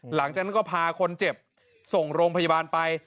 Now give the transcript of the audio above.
หลังจากนั้นก็พาคนเจ็บส่งโรงพยาบาลไป